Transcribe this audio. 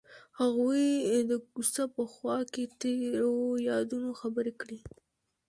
هغوی د کوڅه په خوا کې تیرو یادونو خبرې کړې.